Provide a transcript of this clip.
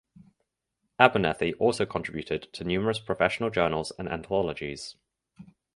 Abernethy also contributed to numerous professional journals and anthologies.